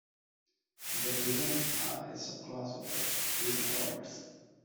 The prisms are a subclass of the prismatoids.